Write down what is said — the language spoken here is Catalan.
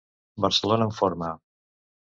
Barcelona en forma.